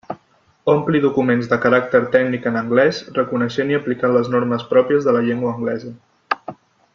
Ompli documents de caràcter tècnic en anglés reconeixent i aplicant les normes pròpies de la llengua anglesa.